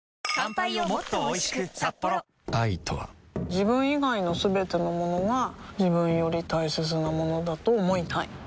自分以外のすべてのものが自分より大切なものだと思いたい